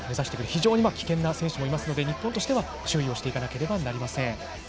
非常に危険な選手もいますので日本としては注意をしていかなければいけません。